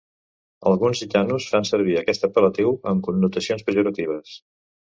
Alguns gitanos fan servir aquest apel·latiu amb connotacions pejoratives.